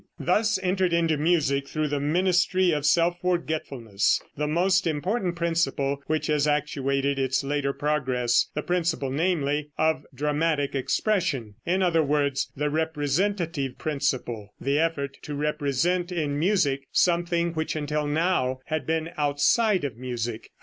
Thus entered into music, through the ministry of self forgetfulness, the most important principle which has actuated its later progress, the principle namely, of dramatic expression in other words, the representative principle, the effort to represent in music something which until now had been outside of music.